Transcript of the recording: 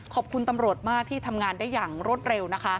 ขอบคุณตำรวจมากที่ทำงานได้อย่างรวดเร็ว